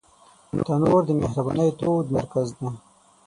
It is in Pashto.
تنور د مهربانۍ تود مرکز دی